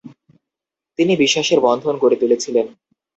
তিনি বিশ্বাসের বন্ধন গড়ে তুলেছিলেন।